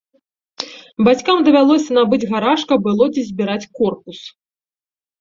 Бацькам давялося набыць гараж, каб было дзе збіраць корпус.